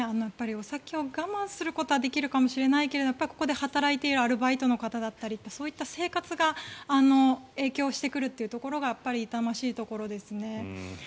お酒を我慢することはできるかもしれないけどもここで働いているアルバイトの方だったりそういった生活が影響してくるというところが痛ましいところですね。